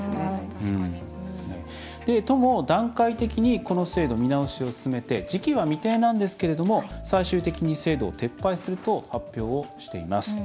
都も段階的に、この制度見直しを進めて時期は未定なんですけれども最終的に制度を撤廃すると発表しています。